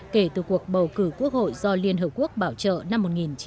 kể từ cuộc bầu cử quốc hội do liên hợp quốc bảo trợ năm một nghìn chín trăm tám mươi hai